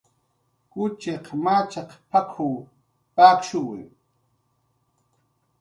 "Kuchiq machaq p""ak""w pakshuwi"